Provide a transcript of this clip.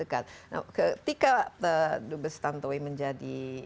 ketika dubes tantowi menjadi